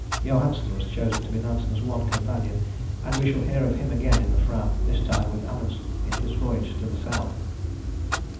Johansen was chosen to be Nansen's one companion, and we shall hear of him again in the Fram, this time with Amundsen in his voyage to the South.